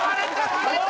割れた！